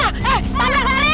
eh panggil ari